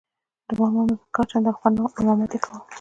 د بابا مې په کار چندان خوند نه و، امامت یې کاوه.